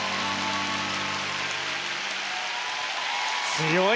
強い！